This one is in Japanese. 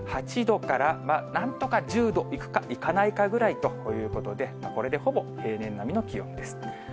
８度から、なんとか１０度いくかいかないかぐらいということで、これでほぼ平年並みの気温です。